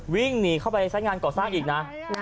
วิ่งหนีเข้าไปสายงานก่อสร้างอีกนะ